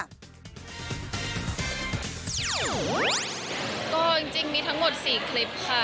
ก็จริงมีทั้งหมด๔คลิปค่ะ